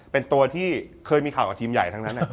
เป็นตัวที่เคยมีข่าวกับทีมใหญ่ทั้งนั้น